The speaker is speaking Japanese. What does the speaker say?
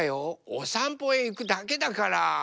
おさんぽへいくだけだから。